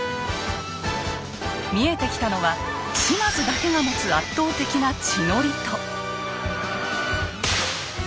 見えてきたのは島津だけが持つ圧倒的な地の利と。